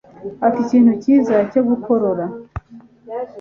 Ufite ikintu cyiza cyo gukorora?